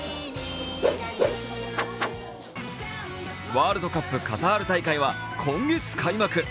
ワールドカップカタール大会は今月開幕。